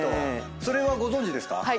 それはご存じですか？